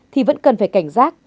thì vẫn cần phải cảnh giác